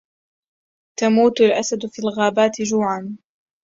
تموت الأسد في الغابات جوعا